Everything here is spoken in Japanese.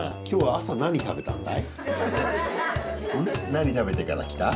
何食べてから来た？